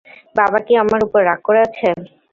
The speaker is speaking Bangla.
বাবা কি আমার উপর রাগ করে আছে?